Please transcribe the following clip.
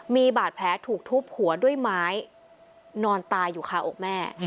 มีบาดแผลถูกทุบหัวด้วยไม้นอนตายอยู่คาอกแม่